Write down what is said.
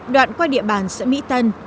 đoạn qua địa bàn xã mỹ tân